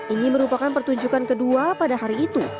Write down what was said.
ini merupakan pertunjukan kedua pada hari itu